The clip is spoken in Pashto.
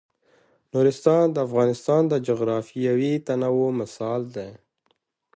نورستان د افغانستان د جغرافیوي تنوع مثال دی.